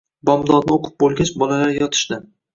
Bomdodni o`qib bo`lgach, bolalar yotishdi